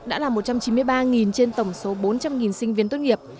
đã là một trăm chín mươi ba trên tổng số bốn trăm linh sinh viên tốt nghiệp